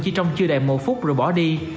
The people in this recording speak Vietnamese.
chỉ trong chưa đầy một phút rồi bỏ đi